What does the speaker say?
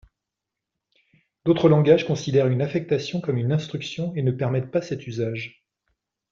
D'autres langages considèrent une affectation comme une instruction et ne permettent pas cet usage.